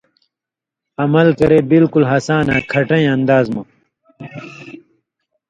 عمل کرے بالکل ہَسان آں کھٹَیں انداز مہ